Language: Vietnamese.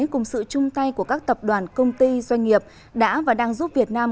cùng sự chung tay của các tập đoàn công ty doanh nghiệp đã và đang giúp việt nam